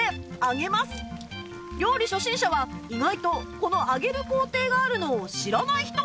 料理初心者は意外とこの揚げる工程があるのを知らない人も